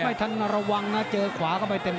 ไม่ทันระวังนะเจอขวาเข้าไปเต็ม